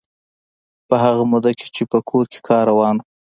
په هغه موده کې چې په کور کې کار روان و.